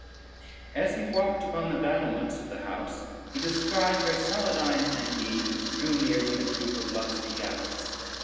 As he walked upon the battlements of the house, he descried where Saladyne and he drew near, with a troop of lusty gallants.